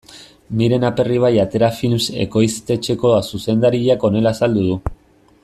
Miren Aperribai Atera Films ekoiztetxeko zuzendariak honela azaldu du.